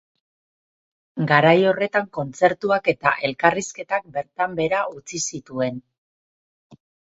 Garai horretan kontzertuak eta elkarrizketak bertan behera utzi zituen.